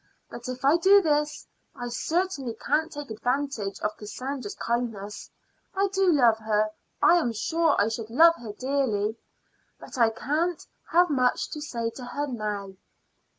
But if I do this I certainly can't take advantage of Cassandra's kindness. I do love her I am sure I should love her dearly but I can't have much to say to her now."